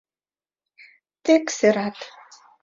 — Тек серат.